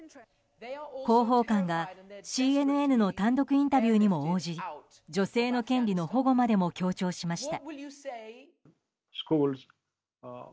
広報官がＣＮＮの単独インタビューにも応じ女性の権利の保護までも強調しました。